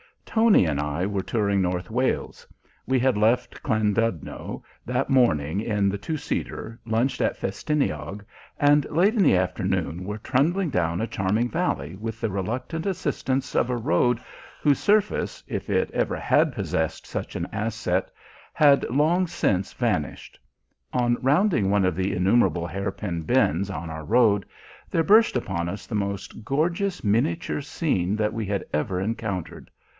Tony and I were touring North Wales. We had left Llandudno that morning in the twoseater, lunched at Festiniog, and late in the afternoon were trundling down a charming valley with the reluctant assistance of a road whose surface, if it ever had possessed such an asset, had long since vanished. On rounding one of the innumerable hairpin bends on our road, there burst upon us the most gorgeous miniature scene that we had ever encountered.